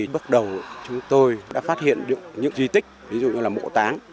bước đầu chúng tôi đã phát hiện những di tích ví dụ như là mộ táng